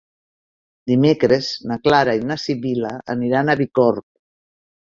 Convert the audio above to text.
Dimecres na Clara i na Sibil·la aniran a Bicorb.